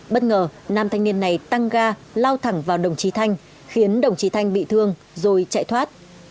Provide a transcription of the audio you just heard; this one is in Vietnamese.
bất ngờ nam thanh niên này tăng ga lao thẳng vào đồng chí thanh khiến đồng chí thanh bị thương rồi chạy thoát